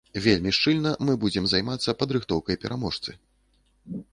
Вельмі шчыльна мы будзем займацца падрыхтоўкай пераможцы.